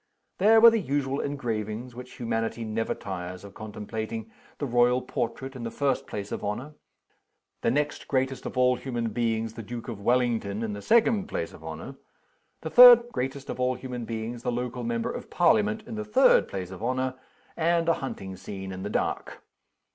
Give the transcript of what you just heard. There were the usual engravings, which humanity never tires of contemplating. The Royal Portrait, in the first place of honor. The next greatest of all human beings the Duke of Wellington in the second place of honor. The third greatest of all human beings the local member of parliament in the third place of honor; and a hunting scene, in the dark.